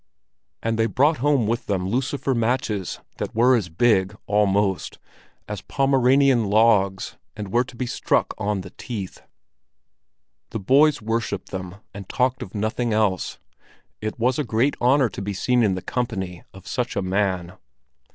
And they brought home with them lucifer matches that were as big, almost, as Pomeranian logs, and were to be struck on the teeth. The boys worshipped them and talked of nothing else; it was a great honor to be seen in the company of such a man.